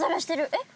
えっ？